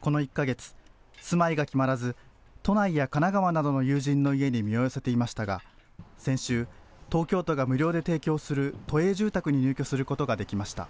この１か月、住まいが決まらず都内や神奈川などの友人の家に身を寄せていましたが先週、東京都が無料で提供する都営住宅に入居することができました。